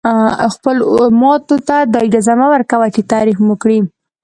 خپلو ماتو ته دا اجازه مه ورکوئ چې تعریف مو کړي.